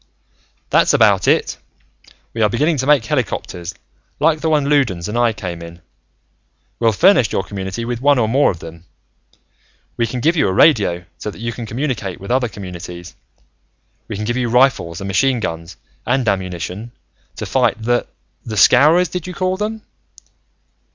"That's about it. We are beginning to make helicopters, like the one Loudons and I came in. We'll furnish your community with one or more of them. We can give you a radio, so that you can communicate with other communities. We can give you rifles and machine guns and ammunition, to fight the the Scowrers, did you call them?